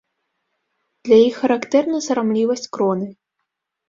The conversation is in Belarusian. Для іх характэрна сарамлівасць кроны.